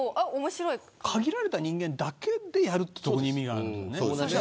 限られた人間だけでやることに意味があるよね。